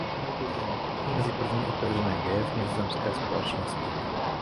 Patřil mezi první otevřené gaye v nizozemské společnosti.